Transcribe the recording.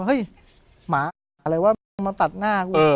เฮ้ยหมาอะไรวะมึงมาตัดหน้ากู